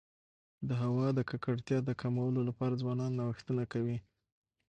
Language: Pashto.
د هوا د ککړتیا د کمولو لپاره ځوانان نوښتونه کوي.